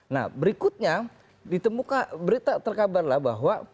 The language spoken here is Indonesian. nah berikutnya ditemukan berita terkabar lah bahwa